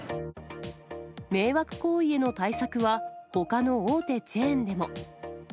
迷惑行為への対策は、ほかの大手チェーンでも。